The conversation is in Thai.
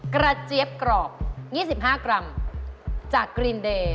เจี๊ยบกรอบ๒๕กรัมจากกรีนเดย์